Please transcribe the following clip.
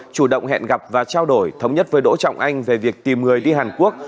chủ động hẹn gặp và trao đổi thống nhất với đỗ trọng anh về việc tìm người đi hàn quốc